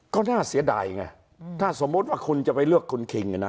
ก็น่าเสียดายไงถ้าสมมุติว่าคุณจะไปเลือกคุณคิง